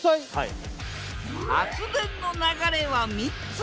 発電の流れは３つ。